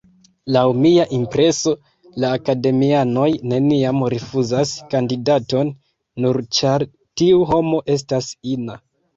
Laŭ mia impreso, la akademianoj neniam rifuzas kandidaton, nur ĉar tiu homo estas ina.